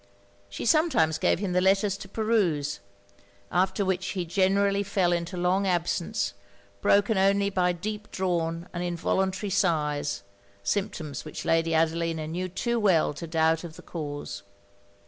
She sometimes gave him the letters to peruse; after which he generally fell into long absence, broken only by deep drawn and involuntary sighs symptoms which Lady Adelina knew too well to doubt of the cause.